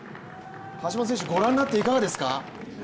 橋本選手、ご覧になっていかがですか？